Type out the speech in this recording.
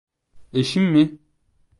Eşim mi?